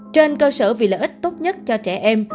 trên cơ sở vì lợi ích tốt nhất cho trẻ em